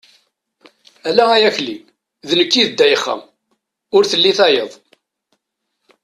Ala ay Akli, d nekk i d Ddayxa, ur telli tayeḍ.